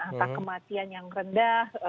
antar kematian yang rendah